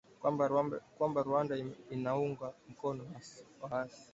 kwamba Rwanda inaunga mkono waasi